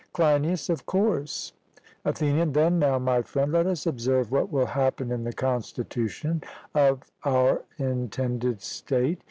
CLEINIAS: Of course. ATHENIAN: Then now, my friend, let us observe what will happen in the constitution of out intended state.